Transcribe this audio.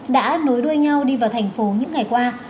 đã nối đuôi nhau đi vào thành phố những ngày qua